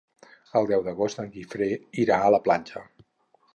El deu d'agost en Guifré irà a la platja.